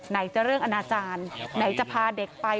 ไหนจะเรื่องอนาจารย์ไหนจะพาเด็กไป